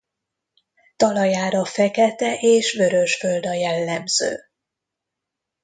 Talajára fekete és vörös föld a jellemző.